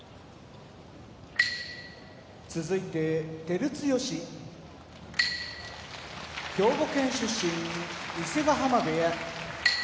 照強兵庫県出身伊勢ヶ濱部屋